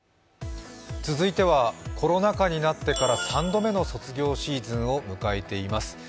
続いてはコロナ禍になってから３度目の卒業シーズンを迎えています。